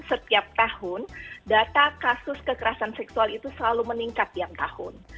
setiap tahun data kasus kekerasan seksual itu selalu meningkat tiap tahun